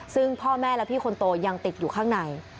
ซึ่งพ่อแม่และพี่คนโตยังติดอยู่ข้างใน